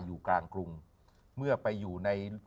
อยู่กลางกรุงเมื่อไปอยู่ใน